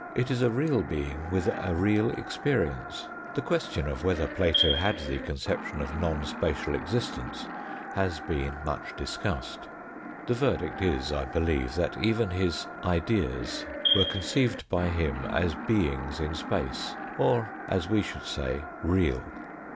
It is a real being with a real experience. The question of whether Plato had the conception of non spatial existence has been much discussed. The verdict is, I believe, that even his " ideas " were conceived by him as beings in space, or, as we should say, real.